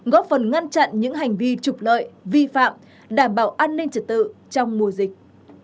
góp phần ngăn chặn những hành vi trục lợi vi phạm đảm bảo an ninh trật tự trong mùa dịch